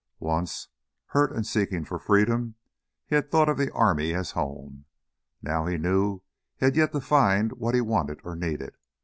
Once, hurt and seeking for freedom, he had thought of the army as home. Now he knew he had yet to find what he wanted or needed.